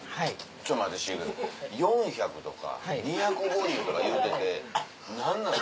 ちょっと待ってシークエンス４００とか２５０とか言うてて何なの？